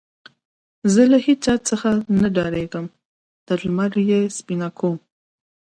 زه له هيچا څخه نه ډارېږم؛ تر لمر يې سپينه کوم.